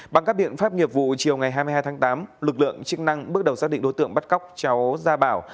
bằng các biện pháp nghiệp vụ chiều ngày hai mươi hai tháng tám lực lượng chức năng bước đầu xác định đối tượng bắt cóc cháu gia bảo